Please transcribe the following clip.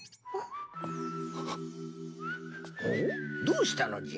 どうしたのじゃ？